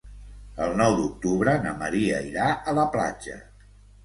El nou d'octubre na Maria irà a la platja.